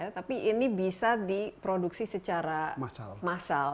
tapi ini bisa diproduksi secara massal